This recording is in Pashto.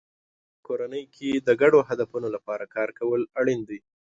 په کورنۍ کې د ګډو هدفونو لپاره کار کول اړین دی.